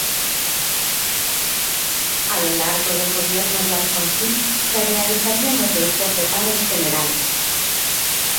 A lo largo del gobierno de Alfonsín se realizarían otros doce paros generales.